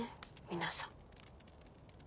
皆さん。